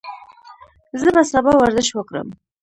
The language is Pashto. زه به سبا ورزش وکړم.